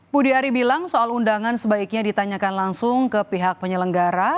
budi ari bilang soal undangan sebaiknya ditanyakan langsung ke pihak penyelenggara